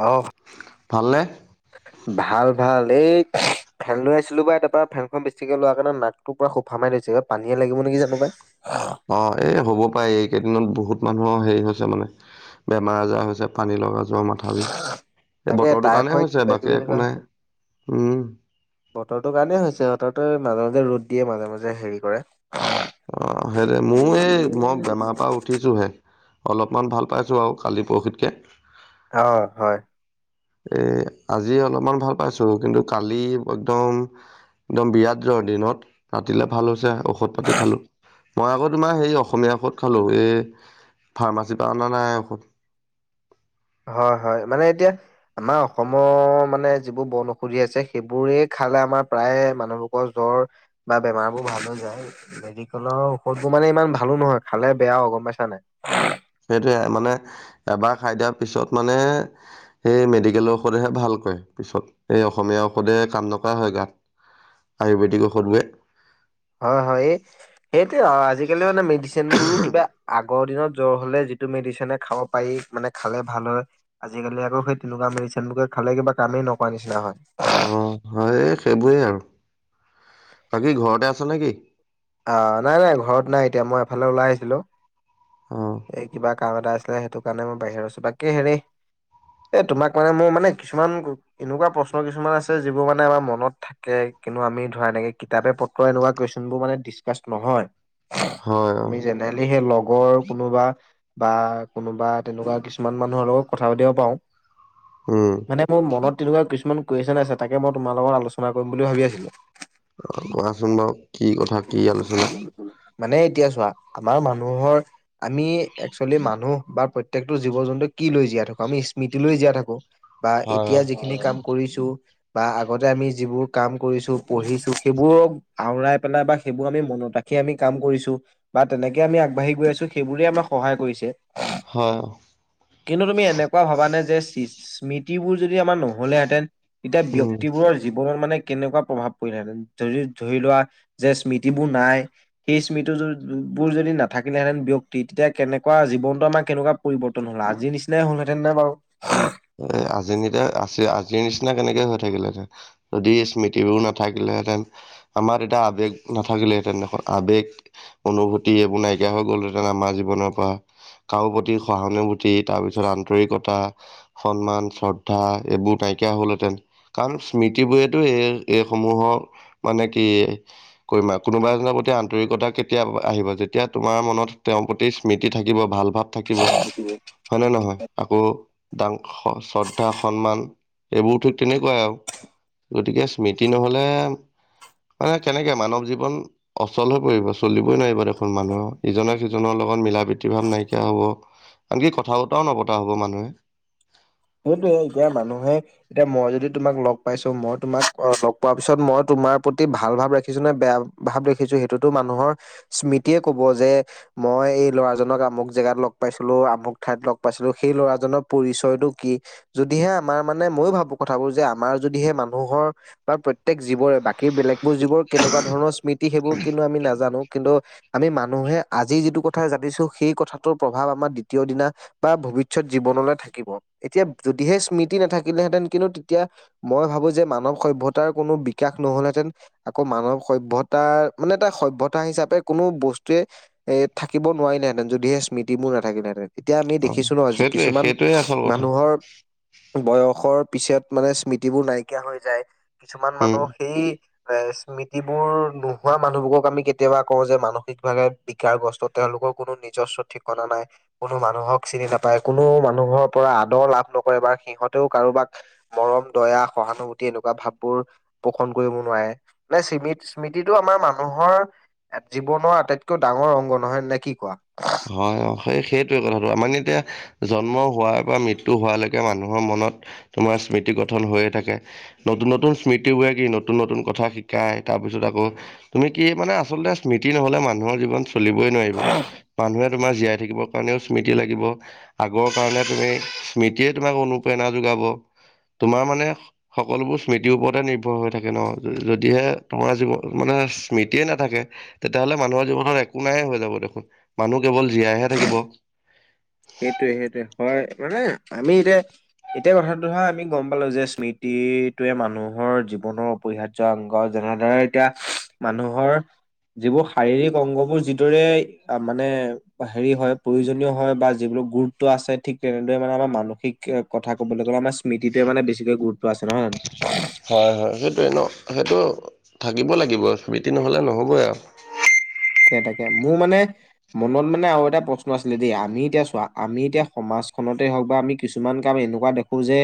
অহ ভালনে? ভাল ভাল এই ফেন লৈ আছিলো বা তাৰ পৰা ফেনখন বেছিকে লোৱাৰ কাৰণে নাকটো পুৰা সোফা মাই লৈছে পানীয়ে লাগিব নেকি জানো পাই। অ এই হব পাৰে এইকেইদিনত বহুত মানুহৰ হেৰি হৈছে মানে, বেমাৰ আজাৰ হৈছে পানী লগা জৰ মাথা বিষ এই তাকে বতৰটো কাৰণে হৈছে বাকী একো নাই। উম, বতৰটো কাৰণেই হৈছে বতৰ মাজে মাজে ৰ'দ দিয়ে মাজে মাজে হেৰি কৰে, অ সেইৰে মোৰ এই মই বেমাৰ পৰা উঠিছো হে। অলপমান ভাল পাইছোঁ আৰু কালি পৰহিতকে। অ হয়। এ আজি অলপমান ভাল পাইছো কিন্তু কালি একদম একদম বিয়াত জৰ, দিনত ৰাতিলে ভাল হৈছে ঔষধ পাতি খালো। মই আকৌ তোমাৰ সেই অসমীয়া ঔষধ খালো এই ফাৰ্মাচীৰ পৰা অনা নাই ঔষধ, [inaudible] হয় হয় মানে এতিয়া আমাৰ অসমৰ মানে যিবোৰ বন ঔষধি আছে সেইবোৰে খালে আমাৰ প্ৰায়ে মানুহবোকৰ জ্বৰ বা বেমাৰ বোৰ ভাল হৈ যায় মেডিকেলৰ ঔষধবোৰ মান, মানে ইমান ভালো নহয় খালে বেয়া অ গম পাইছা নাই। সেইটোয়ে মানে এবাৰ খাই দিয়া পিছত মানে সেই মেডিকেলৰ ঔষধহে ভাল, পিছত এই অসমীয়া ঔষধে কাম নকৰা হয় গাত। আয়োবেদিক ঔষধবোৰে। হয় হয় এই সেইটো আজিকালি মানে মেডিচিনবোৰো কিবা আগৰ দিনত। জ্বৰ হ'লে যিটো মেডিচিনে খাব পাৰি মানে খালে ভাল হয় আজিকালি আকৌ সেই তেনেকুৱা মেডিচিনবোৱে। খালে কিবা কামেই নকৰা নিচিনা হয়। অ হয় সেইবোৰেই আৰু বাকী ঘৰতে আছে নেকি। অ নাই নাই ঘৰত নাই এতিয়া মই এফালে ওলাই আহিছিলো অঁ এই কিবা কাম এটা আছিল। সেইটো কাৰণে মই বাহিৰ আছো বাকে হেৰি এ তোমাক মানে মোৰ মানে কিছুমান এনেকুৱা প্ৰশ্ন কিছুমান আছে যিবোৰ মানে আমাৰ মনত থাকে। কিন্তু আমি ধৰা এনেকে কিতাপে পত্ৰ এনেুকোৱা কুৱেশ্যন বোৰ মানে স্পষ্ট নহয় হয় অঁ আমি জেনেৰেলি হে লগ আগৰ কোনোবা বা কোনোবা তেনেকুৱা কিছুমান মানুহৰ লগত কথা পাতিব পাও। মানে মোৰ মনত তেনেকুৱা কিছুমান কুৱেশ্যন আছে তাকে মই তোমাৰ লগত আলোচনা কৰিম বুলি ভাবি আছিলো। অ কোৱাচোন বাৰু কি কথা কি আলোচনা? মানে এতিয়া চোৱা আমাৰ মানুহৰ আমি একচুৱেলি মানুহ বা প্ৰ প্ৰত্যেকটো জীৱ জন্তু কি লৈ জীয়াই থাকো আমি স্মৃতি লৈ জীয়াই থাকো। বা হয় এতিয়া অ', যিখিনি কাম কৰিছো বা আগতে আমি যিবোৰ কাম কৰিছো পঢ়িছো সেইবোৰক আওৰাই পেলাই বা সেইবোৰ আমি মনত ৰাখি আমি কাম কৰিছো বা তেনেকে আমি আগবাঢ়ি গৈ আছো সেইবোৰে আমাক সহায় কৰিছে। হয় অ', কিন্তু তুমি এনেকুৱা ভবানে যে চি স্মৃতিবোৰ যদি আমাৰ নহলেহেঁতেন তেতিয়া উম ব্যক্তিবোৰৰ জীৱনত মানে কেনেকুৱা প্ৰভাৱ পৰিলেহেঁতেন। যদি ধৰি লোৱা যে স্মৃতিবোৰ নাই সেই স্মৃতিবোৰ যদি নাথাকিলেহেতেন ব্যক্তি তেতিয়া কেনেকুৱা জীৱনটো আমাৰ কেনেকুৱ পৰিৱৰ্তন হ'ল আজিৰ নিচিনাই হ'ল হেতেন নে বাৰু? এ আজি [inaudible] আছে আজি নিচিনা কেনেকে হৈ থাকিলেতেন যদি স্মৃতিবোৰ নাথাকিলেহেঁতেন আমাৰ এতিয়া আৱেগ নাথাকিলেহেঁতেন দেখোন আবেগ অনুভূতি এইবোৰ নাইকিয়া হৈ গ'লহেঁতেন আমাৰ জীৱনৰ পৰা। কাৰো প্ৰতি সহানুভূতি তাৰপিছত আন্তৰিকতা সন্মান শ্ৰদ্ধা এইবোৰ নাইকিয়া হ'লহেঁতেন কাৰণ স্মৃতি বোৰেইতো এই এইসমূহৰ মানে কি কৰিমা কোনোবা এজনৰ প্ৰতি আন্তৰিকতা কেতিয়া আহিব যেতিয়া তোমাৰ মনত তেওঁৰ প্ৰতি স্মৃতি থাকিব ভাল ভাৱ থাকিব বাৰু হয় নে নহয়? আকৌ ডাং শ্ৰদ্ধা সন্মান এইবোৰ ঠিক তেনেকুৱাই আৰু গতিকে স্মৃতি নহলে মানে কেনেকে মানৱ জীৱন অচল হৈ পৰিব চলিবই নোৱাৰিব দেখোন মানুহৰ ইজনে সিজনৰ লগত লগত মিলা প্ৰীতি ভাৱ নাইকিয়া হ'ব, আনকি কথা বতাও নপতা হ'ব মানুহে। সেইটোয়ে এতিয়া মানুহে এতিয়া মই যদি তোমাক লগ পাইছো মই তোমাক লগ পোৱাৰ পিছত মই তো তোমাৰ প্ৰতি ভাল ভাৱ ৰাখিছো নে বেয়া ভাৱ ৰাখিছো সেইটোতো মানুহৰ স্মৃতিয়ে ক'ব যে মই এই ল'ৰাজনক আমুক জেগাত লগ পাইছিলোঁ আমুক ঠাইত লগ পাইছিলোঁ সেই ল'ৰাজনৰ পৰিচয়টো কি যদিহে আমাৰ মানে ময়ো ভাবো কথাবোৰ যে আমাৰ যদিহে মানুহৰ বা প্ৰত্যেক জীৱৰে ব সেই বেলেগ বোৰ যিবোৰ কেনেকুৱা ধৰণৰ স্মৃতি সেইবোৰ কিন্তু আমি নাজানো কিন্তু আমি মানুহে আজি যিটো কথা জানিছো সেই কথাটোৰ প্ৰভাৱ আমাৰ দ্বিতীয় দিনা বা ভৱিষ্যত জীৱনলৈ থাকিব। এতিয়া যদিহে স্মৃতি নাথাকিলেহেঁতেন কিন্তু তেতিয়া মই ভাবো যে মানৱ সভ্যতাৰ কোনো বিকাশ নহ'লেহেঁতেন আকৌ মানৱ সভ্যতাৰ মানে এটা সভ্য়তা হিচাপে কোনো বস্তুৱে থাকিব নোৱাৰিলেহেঁতেন যদিহে স্মৃতিবোৰ নাথাকিলেহেতেন। তেতিয়া আমি অ' দেখিছো নহয় যি সেইটোৱে কিছুমান সেইটোৱে আচল কথা মানুহৰ বয়সৰ পিছত মানে স্মৃতিবোৰ নাইকিয় হৈ যায়। কিছুমান উম। মানুহ সেই এ স্মৃতিবোৰ নোহোৱা মানুহবোৰক আমি কেতিয়াবা কওঁ যে মানসিকভাৱে বিকাৰ গ্ৰস্তাৰ তেওঁলোক কোনো নিজস্ব ঠিকনা নাই কোনো মানুহক চিনি নাপায় কোনো মানুহক পৰা আদৰ লাভ নকৰে বাাৰ সিহতেওঁ কাৰোবাক মৰম, দয়া সহানুভূতি এনেকুৱা ভাববোৰ পোষণ কৰিব নোৱাৰে মানে স্মৃতি স্মৃতিটো আমাৰ মানুহৰ জীৱনৰ আটাইতকৈ ডাঙ ডাঙৰ অংগ নহয় নে কি কোৱা? হয় অ' সেই সেইটোয়ে কথাটো আমাৰ এতিয়া জন্ম হোৱাৰ পৰা মৃত্যু হোৱালৈকে মানুহৰ মন তোমাৰ স্মৃতি গঠন হৈয়ে থাকে। নতুন নতুন স্মৃতি বে কি নতুন নতুন কথা শিকায়। তাৰপিছত আকৌ তুমি কি মানে আচলতে স্মৃতি নহলে মানুহৰ জীৱন চলিবই নোৱাৰিব। মানুহে তোমাৰ জীয়াই থাকিবৰ কাৰণেও স্মৃতি লাগিব আগৰ কাৰণে তুমি স্মৃতিয়ে তোমাক অনুপ্ৰেৰণা [unintelligible] যোগাব। তোমাৰ মানে সকলোবোৰ স্মৃতিৰ ওপৰতে নিৰ্ভৰ হৈ থাকে ন। যদিহে তোমাৰ জীৱ মানে স্মৃতিয়ে নাথাকে তেতিয়াহ'লে মানুহৰ জীৱনত একো নাইে হৈ যাব দেখোন। মানুহ কেৱল জীয়াইহে থাকিব। সেইটোৱে সেইটোৱে হয়। মানে আমি এতিয়া এতিয়া কথাটো হোৱা আমি গম পালো যে স্মৃতিটোৱে মানুহৰ জীৱনৰ অপৰিহাৰ্য অংগ। যাৰ দ্বাৰা এতিয়া মানুহৰ যিবোৰ শাৰীৰিক অংগবোৰ যিদৰে মানে হেৰি হয় প্ৰয়োজনীয় হয় বা যিবোৰাক গুৰুত্ব আছে ঠিক তেনেদৰে মানে আমাৰ মানসিক ক'বলৈ গ'লে আমাৰ স্মৃতিটোৱে মানে বেছিকৈ গুৰুত্ব আছে। চৰা হয় হয় সেইটোোৱে ন সেইটো থাকিব লাগিব স্মিতি নহ'লে নহ'বই আৰু, উ! তাকে তাকে মোৰ মানে মনত মানে আৰু এটা প্ৰশ্ন আছিলে দেই আমি এতিয়া চোৱা আমি এতিয়া সমাজখন তে হওক বা আমি কিছুমান কাম এনেকুৱা দেখো যে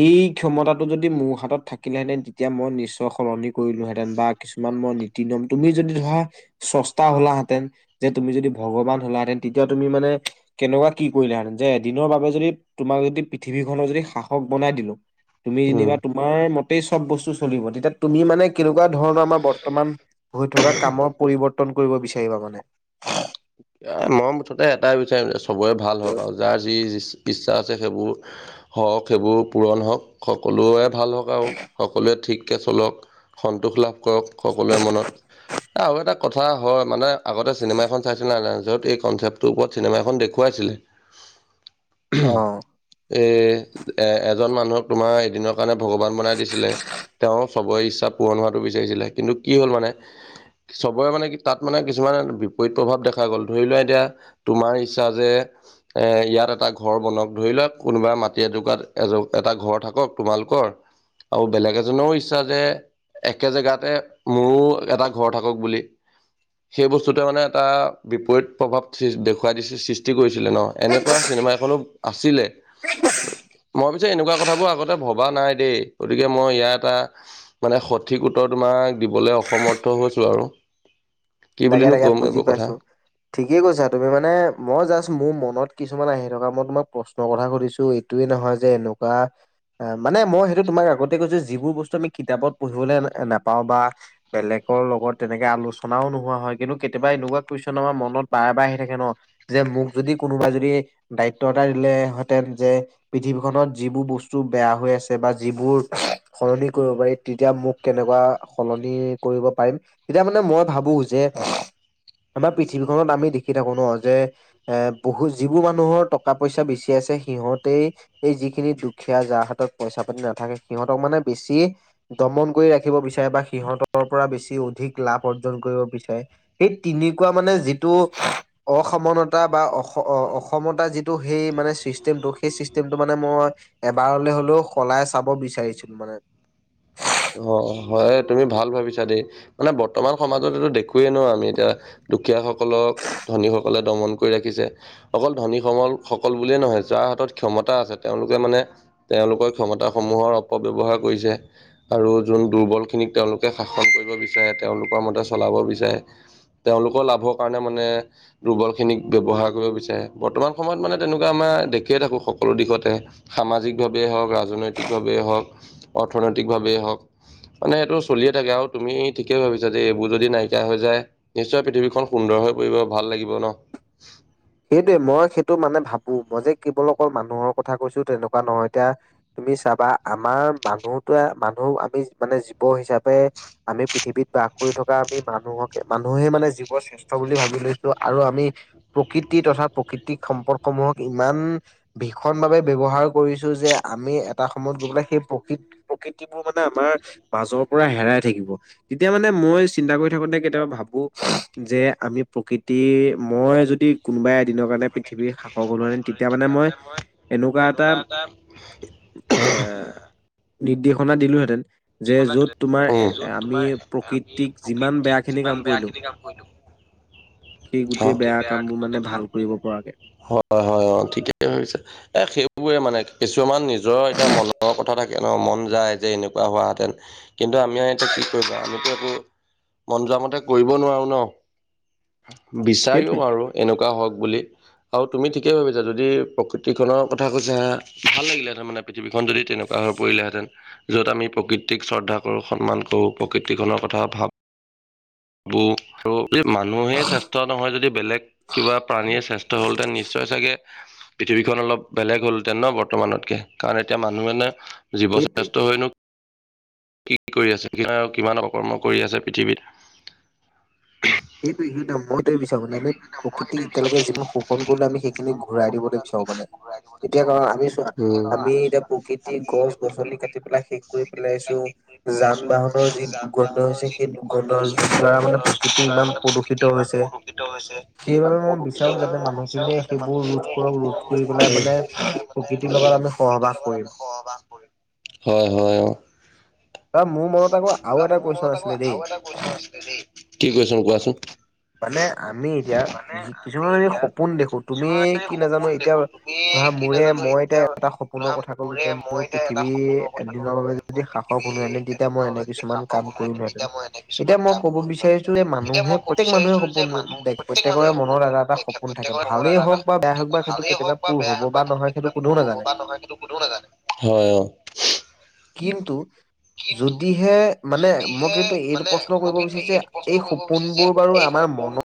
এই ক্ষমতাটো যদি মোৰ হাতত থাকিলে হেনে, তেন তেতিয়া মই নিশ্চয় সলনি কৰিলোহেতেন বা কিছুমান মই নীতি নিয়ম তুমি যদি ধৰা, চষ্টা হলাহেতেন যে তুমি যদি ভগৱান হ'লাহেতেন তেতিয়া তুমি মানে কেনেকুৱা কি কৰিলাহেতেন। যে এদিনৰ বাবে যদি তোমাক যদি পৃথিৱীখননৰ যদি শাসক বনাই দিলো। তুমি উম যেনিবা তোমাৰ ম, গোই চব বস্তু চলিব তেতিয়া তুমি মানে কেনেকুৱা ধৰণৰ আমাৰ বৰ্তমান হৈ থকা কামত পৰিৱৰ্তন কৰিব বিচাৰিবা মানে, মম মুঠতে এটাই বিচাৰিম যে চবৰে ভাল হওক আৰু যাৰ যি ইচ্ছা আছে সেইবোৰ হওক সেইবোৰ পূৰণ হওক সকলোৱে, ভাল সকও সকলোৱে ঠিককৈ চলক সন্তোষ লাভ কৰক সকলোৱে মনত, আৰু এটা কথা হয় মানে আগতে চিনেমা এখন চাইছিলে য'ত এই, কনচেপ্টটোৰ ওপৰত চিনেমা এখন দেখুৱাইছিলে আহ, এই এজন মানুহক তোমাৰ এদিনৰ কাৰণে ভগৱান বনাই দিছিলে তেওঁ চবৰে ইচ্ছা পূৰণ হোৱাটো বিচাৰিছিলে কিন্তু কি হ'ল মানে, চবৰে মানে কি তাত মানে কিছুমান বিপৰীত প্ৰভাৱ দেখা গ'ল ধৰি লোৱা। এতিয়া তোমাৰ ইচ্ছা যে এ ইয়াত এটা ঘৰ বনক ধৰি লওক কোনোবা মাটি এটকাত এজ এটা ঘৰ থাকক তোমালোকৰ আৰু বেলেগ এজনৰও ইচ্ছা যে, একে জেগাতে মোৰো এটা ঘৰ থাকক বুলি। সেই বস্তুতে মানে এটা বিপৰত প্ৰভাৱ দেখুৱাই দিছে সৃষ্টি কৰিছিল। ছিল ন এনেকুৱা চিনেমা এখনো আছিলে, মই পিছে এনেকুৱা কথাবোৰ আগতে ভবা নাই দেই গতিকে মই ইয়াৰ এটা মানে, সঠিক উত্তৰ তোমাক দিবলৈ অসমৰ্থ হৈছো আৰু, কি ডাগে বুলিনো তেগাত ক'ম বুজি এইবোৰ কথা পাইছো ঠিকে কৈছ। তুমি মানে মই জাষ্ট মোৰ মনত কিছুমান আহি থকা মই তোমাক প্ৰশ্নৰ কথা সুধিছো এইটোয়ে নহয় যে এনে, ককা, অ মানে মই সেইটো তোমাক আগতে কৈছো যিবোৰ বস্তু আমি কিতাপত পঢ়িবলৈ নাপাওঁ বা বেলেগ, লগত তেনেকে আলোচনাও ন, হয় কিন্তু কেতিয়াবা এনেকুৱা কন আমাৰ মনত বাৰ বাৰ আহি থাকে ন যে মোক যদি কোনোবা যদি, দায়িত্বতটা দিলে হেতেন যে পৃথিৱীখননত যিবোৰ বস্তু বেয়া হৈ আছে বা যিবোৰ, সলনি কৰিব পাৰি তেতিয়া মোক কেনেকুৱা সলনি কৰিব পাৰিম তেতিয়া মানে মই ভাবো। যে, আমাৰ পৃথিৱীখনত আমি দেখি থাকো ন যে এ বহুত যিবোৰ মানুহৰ টকা পইচা বেছি, সিহঁতে এই যিখিনি দুখীয়া যাৰ হাতত পইচা পাতি নাথাকে সিহঁতক মানে বেছি, দমন কৰি ৰাখিব বিচাৰে বা সিহঁতৰ পৰা বেছি অধিক লাভ অৰ্জন কৰিব বিচাৰে, সেই তিনেুৱা মানে যিটো, অসমানতা বা অ অসমতা যিটো সেই মানে চিষ্টেমটো সেই চিষ্টেমটো মানে মই, এবাৰলৈ হ'লেও সলাই চাব বিচাৰিছিলো মানে, উ! অ হয় তুমি ভাল ভাবিছা দেই মানে বৰ্তমান সমাজত এইো দেখোৱয়েইে নো আমি এতিয়া দুখীয়াসকলক ধনীসকলে দমন কৰি ৰাখিছে অকল ধনী সমল সকল বুলিয়েই নহয় যোৱা। হাতত ক্ষমতা আছে তেওঁলোকে মানে তেওঁলোকৰ ক্ষমতাসমূহৰ অপব্যৱহাৰ কৰিছে। আৰু যোন দুৰ্বল খিনিক তেওঁলোকে শাসন কৰিব বিচাৰে তেওঁলোকৰ মতে চলাব বিচাৰে, তেওঁলোকৰ লাভৰ কাৰণে মানে দুৰ্বল খিনি ব্যৱহাৰ কৰিব বিচাৰে, বৰ্তমান সময়ত মানে তেনেকুৱা আমাৰ দেখিয়ে থাকো সকলো দিশতে সামাজিক ভাৱে হওক ৰাজনৈতিক ভাৱে, হওক অৰ্থনৈতিক ভাৱে হওক, মানে সেটো চলিয়ে থাকে আৰু তুমি ঠিকেই ভাবিছা যে এইবোৰ যদি নাইকিয়া হৈ যায় নিশ্চয় পৃথিৱীখন সুন্দৰ হৈ পৰিব, ভাল লাগিব ন? সেইটোৱে, মই সেইটো মানে ভাবো মই যে কেৱল অকল মানুহৰ কথা কৈছো তেনেকুৱা নহয় এতিয়া তুমি চাবা আমাৰ মানুহটোৱে মানুহ আমি মানে জীৱ হিচাপে আমি পৃথিৱীত বাস কৰি থকা আমি মানুহকে মানুহে মানে জীৱ শ্ৰেষ্ঠ বুলি ভাবি লৈছো আৰু আমি প্ৰকৃতি তথা প্ৰকৃতিক সম্পৰ্ক সমূহক ইমান ভীষণ ভাৱে ব্যৱহাৰ কৰিছো যে আ আমি এটা সময়ত গৈ পেলাই, সেই প্ৰকৃত-প্ৰকৃতিবোৰ মানে আমাৰ মাজৰ পৰা হেৰাই থাকিব। তেতিয়া মানে মই চিন্তা কৰি থাকোতে কেতিয়াবা ভাবো, যে আমি প্ৰকৃতিৰ, মই যদি দি কোনোবা এদিনৰ কাৰণে পৃথিৱীৰ শাক হব ধৰে, তেতিয়া মানে মই এনেকুৱা এটা এ নিৰ্দেশনা দিলোহেঁতেন। যে য'ত তোমাৰ উম, য'ত এ- আমি তোমাৰ আমি প্ৰকৃতিক যিমান বেয়া প্ৰকৃতিক, খিনি কাম যিমান কৰিলো বেয়াখিনি কাম কৰিলো। [unintelligible] সেই গোটেই বেয়া ইয়াক মানে ভাল কৰিব পৰা, হয়, হয়, হয়, হয় অ, ঠিকে ভাবিছে, এ সেইবোৰে মানে। কিছুমান নিজৰ এতিয়া মনৰ কথা থাকে ন, মন যায় যে এনেক কুৱা হোৱা হেতেন, কিন্তু আমিও ইয়াতে কি কৰিবা আমিতো একো মন যোৱাামতে কৰিব নোৱাৰোঁ ন। বিচাৰিও সেইটোৱে। আৰু এনেকুৱা হওক বুলি। আৰু তুমি ঠিকে ভাবিছা যদি প্ৰকৃতি খনৰ কথা কৈছা, ভাল লাগিলে তাৰমানে পৃথিৱীখন যদি তেনেকুৱা হ হৈ পৰিলেহেঁতেন, য'ত আমি প্ৰকৃতিক শ্ৰদ্ধা কৰোঁ, সন্মান কৰোঁ, প্ৰকৃতিখনৰ কথা ভাবো আৰু যদি মানুহেই শ্ৰেষ্ঠ নহয় যদি বেলেগ কিবা প্ৰাণীয়ে শ্ৰেষ্ঠ হ'লহেতেন নিশ্চয় চাগে, পৃথিৱীখন অলপ বেলেগ হ'লহেতেন ন বৰ্তমানত কে কাৰণ এতিয়া মানুহ এনে জীৱ সেইটোৱে শ্ৰেষ্ঠ হৈনো কি কৰি আছে কিমান অকৰ্ম কৰি আছে পৃথিৱীত। [inaudible] সেইটৱে সিহতে মই [unintelligible] বিচাৰো মানে আমি প্ৰকৃতিক এতিয়ালৈকে যিবোৰ শোষণ কৰিলো আমি সেইখিনি ঘূৰাই দিবলৈ বিচাৰো মানে, এতিয়া অ', আমিছো, উম। আমি এতিয়া প্ৰকৃতি গছ গছনি কাটি পেলাই শেষ কৰি পেলাইছো, যা যান বাহনৰ যি দুৰ্গন্ধ হৈছে, সেই দুৰ্গন্ধৰ দ্বাৰা মানে প্ৰকৃতি ইমান প্ৰদূষিত হৈছে। সেইবাবে মই বিচাৰো, যাতে মানুহখিনিয়ে সেইবোৰ ৰোধ কৰক, ৰোধ কৰি পেলাই মানে সদায় মানে প্ৰকৃতিৰ লগত আমি প্ৰকৃতিৰ সহবাস লগত কৰিম। আমি সহবাস কৰিম, হয়, হয়, অ তাৰ মোৰ মনত আকৌ আৰু অ এটা মোৰ কুৱেশন মনত আক' আছিলে দেই। আৰু এটা কুৱেচন আছিলে দে, কি কুৱেচন কোৱাচোন। মানে আমি এতিয়া মানে যি- আমি কিছুমান এতিয়া সপোন দেখো তুমি যিমানেই কি নাজানো সপোন এতিয়া দেখো তুমি ই ধৰা কি মোৰে নাজানো মই এতিয়া এটা সপোনৰ ধৰা কথা ক'লো মোৰে যে মই মোৰ এতিয়া এটা পৃথিৱী সপোনৰ কথা ক'ম এদিনৰ বাবে যে যদি মোৰ শাসক পৃথিৱী হলোহেঁতেন তেতিয়া মই এদিনৰ এনে বাবে যদি কিছুমান [unintelligible] কাম বনোহেতেন কৰিলোহেঁতেন। তেতিয়া মই এনে এতিয়া কিছুমান মই কাম ক'ব কৰিব [unintelligible] বিচাৰিছো যে তেতিয়া মানুহে মই ক প্ৰত্যেক মানুহে যে সপোন মানুহ দেখ প্ৰত্যেক প্ৰত্যেকৰে মানুহে মনত সপোন এটা এটা দেখে সপোন থাকে প্ৰত্যেকৰে মনত ভালেই এটা এটা হওক বা বেয়া সপোন হওক বা থাকে সেইটো ভালেই কেতিয়াবা হওক বা পূৰ বেয়া হ'ব হ বা সেইটো নহয় কেতিয়াবা কোনেও পূৰ হব নাজানে বা নহয় সেইটো কোনেও নাজানে, হয়, অ', কিন্তু যদিহে মানে, মই কিন্তু এইটো প্ৰশ্ন কৰিব বিচাৰিছো যে এই সপোনবোৰ বাৰু এই আমাৰ সপোন মনৰ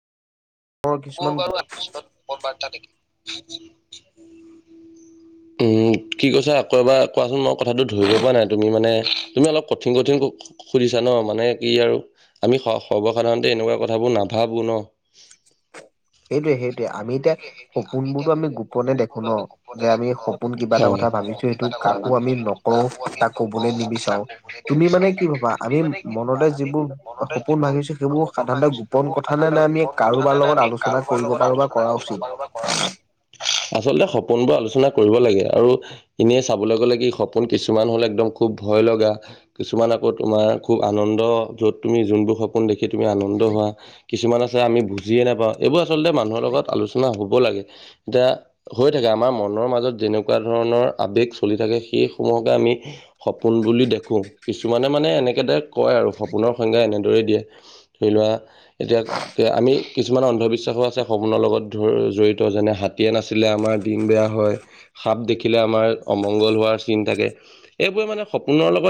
বোৰ কিছুমান বাৰু আৰু কিছুমান সুখৰ বাৰ্তা থাকে উম উম কি কৈছা আকৌ এবাৰ কোৱাচোন মই কথাটো ধৰিব পৰা নাই, তুমি মানে, তুমি অলপ কঠিন কঠ বিছা ন মানে কি আৰু আমি স-সৰ্বসাধাৰণতে এনেকুৱা কথাবোৰ নাভাবো ন। সেইটোৱে সেইটোৱে, আমি এতিয়া সপোন বোৰতো আমি গোপনে দেখো ন যে আমি সপোন কিবা এটা কথা কথা ভাবিছো এইটো কাকো আমি নকও, তাক কবলৈ নিবিচাৰোও, তুমি মানে কি ভাবা আমি মনতে যিবোৰ সপোন ভাবিছো সেইবোৰ সাধাৰণতে গোপন কথা নে নে আমি কাৰোবাৰ লগত আলোচনা কাৰোবাৰ কৰিব লগত পাৰো বা আলোচনা কৰা কৰিব উচিত পাৰোঁ বা কৰা উচিত, আছলতে সপোন বোৰ আলোচনা কৰিব লাগে আৰু এনে চাবলৈ গ'লে কি সপোন কিছুমান হ'লে একদম খুব ভয় লগা কিছুমান আকৌ তোমাৰ খুব আনন্দ যত তুমি যোনবোৰ সপোন দেখি তুমি আনন্দ হোৱা কিছুমান আছে আমি বুজিয়ে নাপাওঁ এইবোৰ আচলতে মানুহৰ লগত আলোচনা হব লাগে এতিয়া হৈ থাকে আমাৰ মনৰ মাজত যেনেকুৱা ধৰণৰ ৰ আৱেগ চলি থাকে সেই সমূহকে আমি সপোন বুলি দেখো কিছুমানে মানে এনেকেদৰে কয় আৰু সপোনৰ সংজ্ঞা এনেদৰে দিয়ে ধৰি লোৱা এতিয়া আমি কিছুমান অন্ধবি বিশ্বাসো আছে সপোনৰ লগত জড়িত যেনে হাতীয়ে নাছিলে আমাৰ দিন বেয়া হয় সাপ দেখিলে আমাৰ অমংগল হোৱাৰ চিন থাকে এইবোৰে মানে সপোনৰ লগত